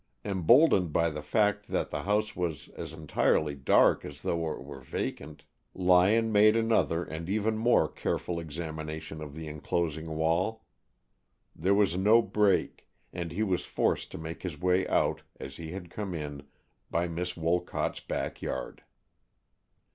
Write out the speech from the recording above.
Emboldened by the fact that the house was as entirely dark as though it were vacant, Lyon made another and even more careful examination of the enclosing wall. There was no break, and he was forced to make his way out, as he had come in, by Miss Wolcott's back yard.